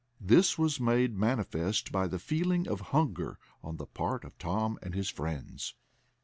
This was made manifest by the feeling of hunger on the part of Tom and his friends.